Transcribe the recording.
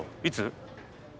いつ？